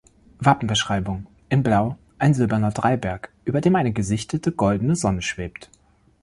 Wappenbeschreibung: In Blau ein silberner Dreiberg über dem eine gesichtete goldene Sonne schwebt.